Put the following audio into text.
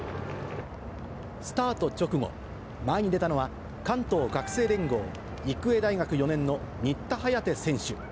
スタート直後、前に出たのは、関東学生連合・育英大学４年の新田颯選手。